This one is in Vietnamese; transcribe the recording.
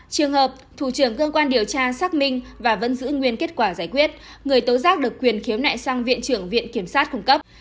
trường hợp thủ trưởng cơ quan điều tra xác minh và vẫn giữ nguyên kết quả giải quyết người tố giác được quyền khiếu nại sang viện trưởng viện kiểm sát cung cấp